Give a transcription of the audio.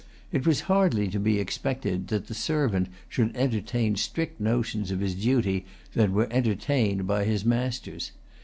It was hardly to be expected that the servant should entertain stricter notions of his duty than were entertained by his masters.